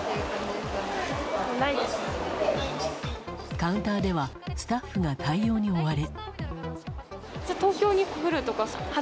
カウンターではスタッフが対応に追われ。